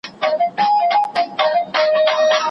ته به ټوله وس تمام کړې دوی ته نه سې رسېدلای